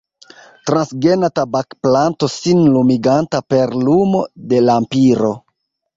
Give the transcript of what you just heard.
Transgena tabakplanto sin lumiganta per lumo de lampiro.